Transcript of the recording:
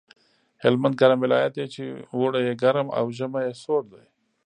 هلمند ګرم ولایت دی چې اوړی یې ګرم او ژمی یې سوړ دی